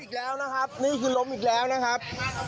อีกแล้วนะครับนี่คือล้มอีกแล้วนะครับ